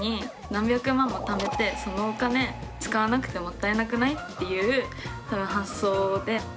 何百万もためてそのお金使わなくてもったいなくない？っていう発想で。